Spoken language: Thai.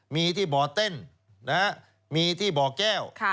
มีที่บ่อเต้นมีที่บ่อแก้ว